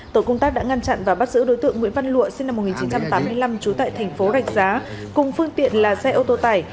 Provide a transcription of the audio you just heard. tổ công tác đã ngăn chặn và bắt giữ đối tượng nguyễn văn lụa sinh năm một nghìn chín trăm tám mươi năm trú tại thành phố rạch giá cùng phương tiện là xe ô tô tải